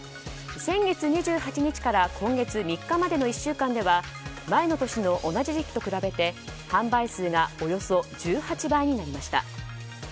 先月２８日から今月３日までの１週間では前の年の同じ時期と比べて販売数がおよそ１８倍になりました。